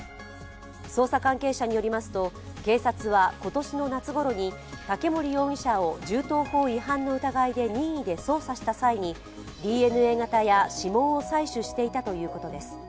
捜査関係者によりますと、警察は今年の夏ごろに竹森容疑者を銃刀法違反の疑いで任意で捜査をした際にＤＮＡ型や指紋を採取していたということです。